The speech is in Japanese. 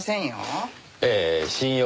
ええ信用